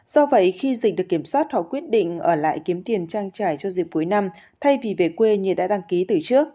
do vậy khi dịch được kiểm soát họ quyết định ở lại kiếm tiền trang trải cho dịp cuối năm thay vì về quê như đã đăng ký từ trước